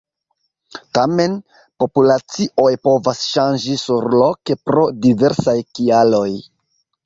Tamen, populacioj povas ŝanĝi surloke pro diversaj kialoj.